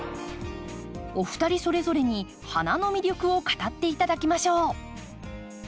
お二人それぞれに花の魅力を語って頂きましょう。